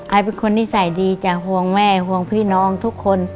เป็นคนนิสัยดีจ้ะห่วงแม่ห่วงพี่น้องทุกคน